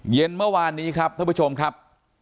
เย็นเมื่อวานนี้ครับท่านผู้ชมครับ